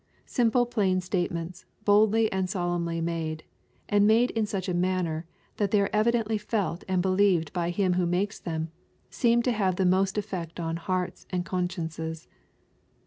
Simple plain statements, boldly and solemnly made, and made in such a manner that they are evidently felt and believed by him who makes them, seem to have the most effect on hearts and con sciences.